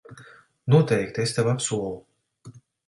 Noteikti, es tev apsolu.